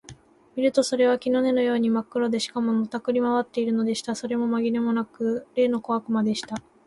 見るとそれは木の根のようにまっ黒で、しかも、のたくり廻っているのでした。それはまぎれもなく、例の小悪魔でした。